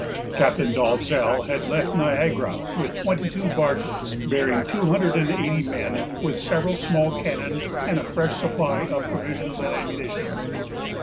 Captain Dalzell had left Niagara with twenty two barges, bearing two hundred and eighty men, with several small cannon, and a fresh supply of provisions and ammunition.